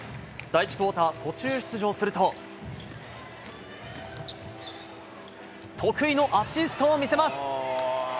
第１クオーター、途中出場すると、得意のアシストを見せます。